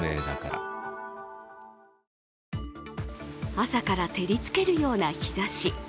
朝から照りつけるような日ざし。